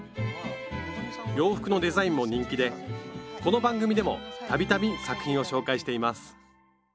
洋服のデザインも人気でこの番組でも度々作品を紹介しています